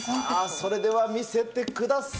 それでは見せてください。